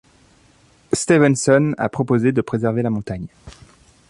Stevenson a proposé de préserver la montagne.